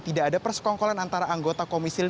tidak ada persekongkolan antara anggota komisi lima